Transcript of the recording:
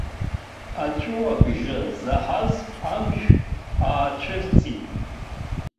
Аҵәыуабжьы заҳаз амшә аацәырҵит.